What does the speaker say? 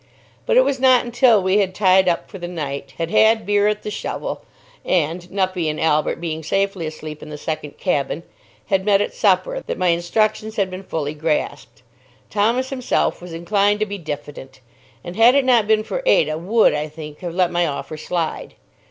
But it was not until we had tied up for the night, had had beer at the Shovel, and (Nuppie and Albert being safely asleep in the second cabin) had met at supper that my instructions had been fully grasped. Thomas himself was inclined to be diffident, and had it not been for Ada would, I think, have let my offer slide.